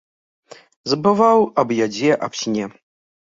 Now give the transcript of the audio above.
Забываў аб ядзе, аб сне.